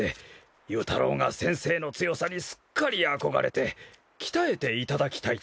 由太郎が先生の強さにすっかり憧れて鍛えていただきたいと。